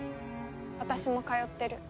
私も通ってる。